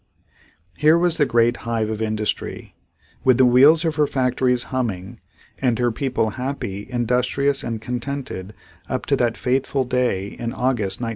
Here was this great hive of industry, with the wheels of her factories humming and her people happy, industrious and contented up to that fateful day in August, 1914.